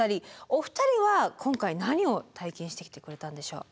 お二人は今回何を体験してきてくれたんでしょう。